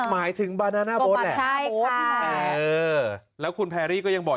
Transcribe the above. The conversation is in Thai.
หมายถึงบานาน่าโบ๊ทแหละเออแล้วคุณแพรรี่ก็ยังบอก